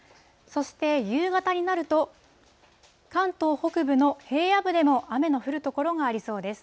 そして夕方になると関東北部の平野部でも雨の降る所がありそうです。